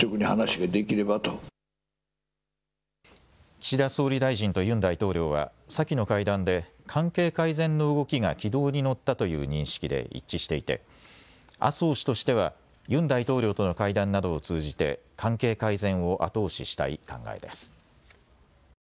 岸田総理大臣とユン大統領は先の会談で関係改善の動きが軌道に乗ったという認識で一致していて麻生氏としてはユン大統領との会談などを通じて関係改善を後押ししたい考えです。